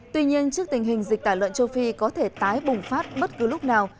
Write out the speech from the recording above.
tuy nhiên trước tình hình dịch tả lợn châu phi có thể tái bùng phát bất cứ lúc nào